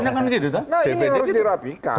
nah ini harus dirapikan